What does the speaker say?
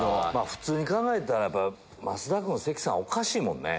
普通に考えたら増田君関さんおかしいもんね。